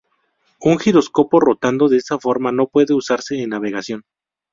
Un giróscopo rotando de esta forma no puede usarse en navegación.